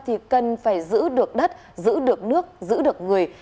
thì cần phải giữ được đất giữ được nước giữ được người